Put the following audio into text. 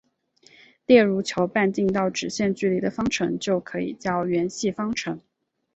例如求半径到直线距离的方程就可以叫圆系方程。